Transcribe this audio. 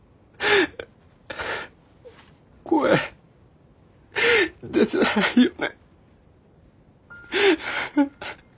声出てないよね？